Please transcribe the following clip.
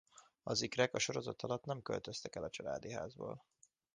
Az ikrek a sorozat alatt nem költöztek el a családi házból.